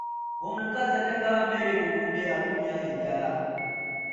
Omukazi atagaba mmere mu budde alumya enjala.